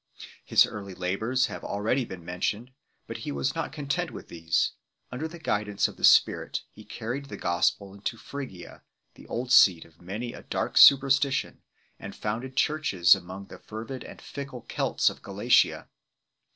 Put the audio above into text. His early labours have already been mentioned; but he was not content with these ; under the guidance of the Spirit he carried the gospel into Phrygia the old seat of many a dark superstition and founded churches among the fervid and fickle Kelts of Galatia.